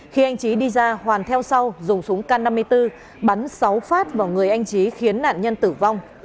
khi anh trí đi ra hoàn theo sau dùng súng k năm mươi bốn bắn sáu phát vào người anh trí khiến nạn nhân tử vong